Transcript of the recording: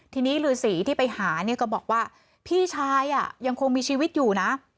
ทีนี้ฤษีที่ไปหาเนี่ยก็บอกว่าพี่ชายยังคงมีชีวิตอยู่นะ